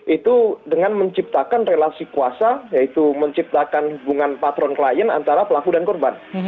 itu dengan menciptakan relasi kuasa yaitu menciptakan hubungan patron klien antara pelaku dan korban